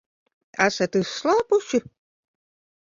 Esat izslāpuši?